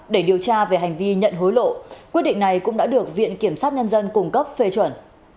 để điều tra về hành vi nhận hối lộ quyết định này cũng đã được viện kiểm sát nhân dân cung cấp phê chuẩn